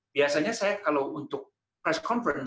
biasanya saya kalau untuk press conference